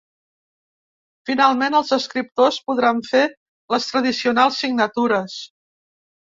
Finalment, els escriptors podran fer les tradicionals signatures.